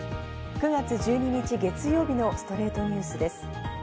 ９月１２日、月曜日の『ストレイトニュース』です。